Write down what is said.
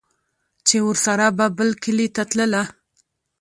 چې ورسره به بل کلي ته تلله